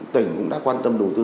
tỉnh cũng đã quan tâm đầu tư